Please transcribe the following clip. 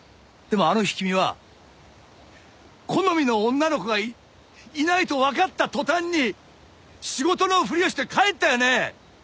でもあの日君は好みの女の子がいないとわかった途端に仕事のふりをして帰ったよね！